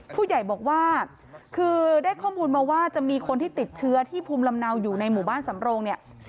ผู้ใหญ่บอกว่าคือได้ข้อมูลมาว่าจะมีคนที่ติดเชื้อที่ภูมิลำเนาอยู่ในหมู่บ้านสำโรงเนี่ย